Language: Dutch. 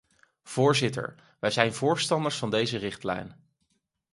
Voorzitter, wij zijn voorstanders van deze richtlijn.